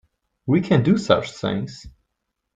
We can do such things